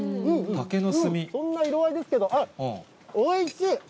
こんな色合いですけど、あっ、おいしい！